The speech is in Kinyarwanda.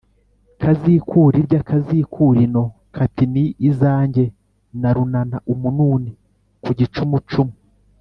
Kazikure irya, kazikure ino kati ni izanjye na Runana-Umununi ku gicumucumu.